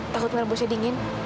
takut ngerbusnya dingin